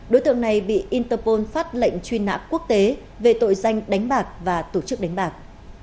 đối tượng này bị interpol phát lệnh truy nã quốc tế về tội danh đánh bạc và tổ chức đánh bạc